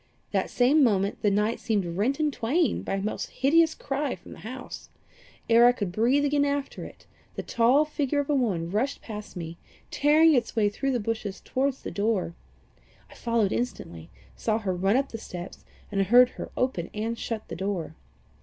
That same moment the night seemed rent in twain by a most hideous cry from the house. Ere I could breathe again after it, the tall figure of a woman rushed past me, tearing its way through the bushes towards the door. I followed instantly, saw her run up the steps, and heard her open and shut the door.